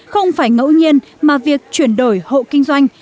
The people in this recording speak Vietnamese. không phải ngẫu nhiên mà việc chuyển đổi hộ kinh doanh